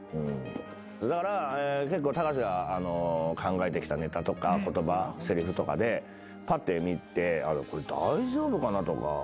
だから結構隆が考えてきたネタとか言葉せりふとかでぱって見てこれ大丈夫かなとか。